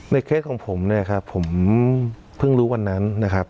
เคสของผมเนี่ยครับผมเพิ่งรู้วันนั้นนะครับ